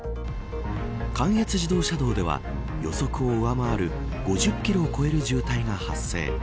関越自動車道では予測を上回る５０キロを超える渋滞が発生。